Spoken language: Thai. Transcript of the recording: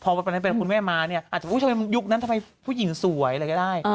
พอวันนั้นเป็นคุณแม่มาเนี่ยอาจจะอุ๊ยทำไมยุคนั้นทำไมผู้หญิงสวยอะไรก็ได้